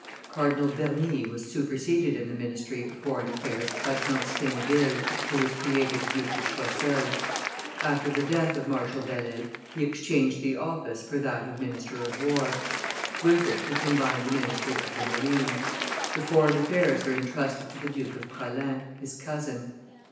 Cardinal Bernis was superseded in the ministry of foreign affairs by Count Stainville, who was created Duke of Choiseul. After the death of Marshal Belle Isle he exchanged the office for that of minister of war; with it he combined the ministry of the marine. The foreign affairs were intrusted to the Duke of Praslin, his cousin.